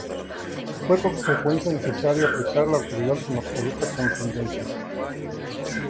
Fue con frecuencia necesario aplicar la autoridad con absoluta contundencia.